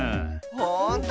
ほんと？